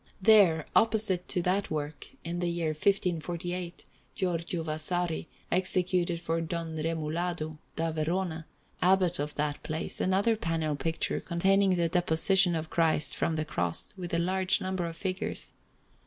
There, opposite to that work, in the year 1548, Giorgio Vasari executed for Don Romualdo da Verona, Abbot of that place, another panel picture containing the Deposition of Christ from the Cross, with a large number of figures.